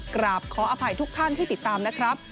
กราบขออภัยทุกท่านที่ติดตามนะครับ